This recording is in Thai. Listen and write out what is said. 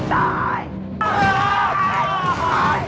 เดี๋ยวพวกพี่จะหาทางติดต่อพ่อแม่ให้นะ